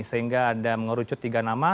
sehingga ada mengerucut tiga nama